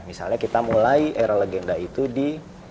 misalnya kita mulai era legenda itu di